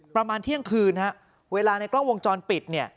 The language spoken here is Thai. ประมาณเที่ยงคืนฮะเวลาในกล้องวงจรปิดเนี่ย